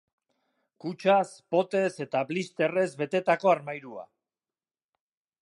Kutxaz, potez eta blisterrez betetako armairua.